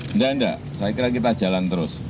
tidak tidak saya kira kita jalan terus